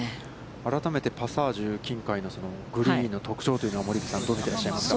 改めてパサージュ琴海のグリーンの特徴というのは、森口さん、どう見ていらっしゃいますか。